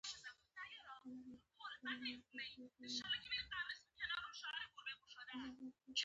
د دومره عملې سره سړی څرنګه له ټاپوګانو ځي.